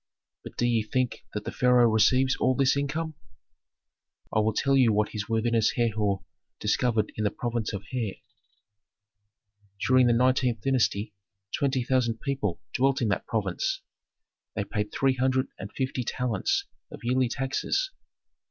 But do ye think that the pharaoh receives all this income? "I will tell you what his worthiness Herhor discovered in the province of the Hare. "During the nineteenth dynasty twenty thousand people dwelt in that province; they paid three hundred and fifty talents of yearly taxes.